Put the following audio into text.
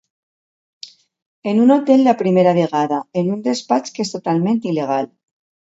En un hotel la primera vegada, en un despatx que és totalment il·legal.